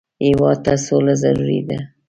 هېواد ته سوله ضروري ده